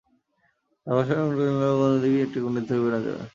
তাঁর ভাষার অনুকরণ করলে কোনো দিনই একটা গণ্ডি থেকে বেরোনো যাবে না।